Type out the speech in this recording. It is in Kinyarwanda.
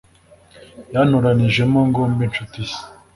Yantoranijemo ngo mb' inshuti ye.